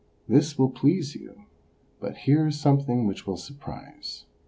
This will please you, but here is something which will surprise.